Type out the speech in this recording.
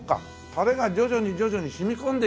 タレが徐々に徐々に染み込んでいくんだ。